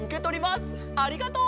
ありがとう！